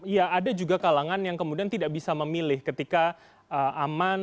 ya ada juga kalangan yang kemudian tidak bisa memilih ketika aman